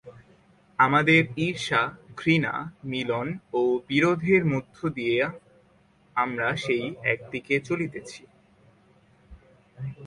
আমাদের ঈর্ষা, ঘৃণা, মিলন ও বিরোধের মধ্য দিয়া আমরা সেই একদিকে চলিতেছি।